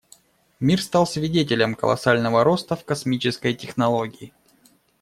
Мир стал свидетелем колоссального роста в космической технологии.